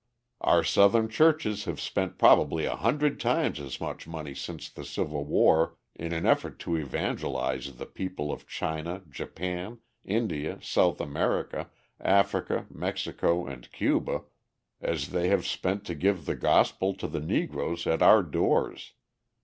Our Southern churches have spent probably a hundred times as much money since the Civil War in an effort to evangelise the people of China, Japan, India, South America, Africa, Mexico, and Cuba, as they have spent to give the Gospel to the Negroes at our doors.